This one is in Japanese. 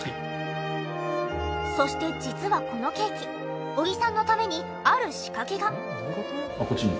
そして実はこのケーキ小木さんのためにこっちに。